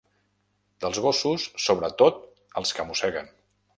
Dels gossos, sobretot els que mosseguen.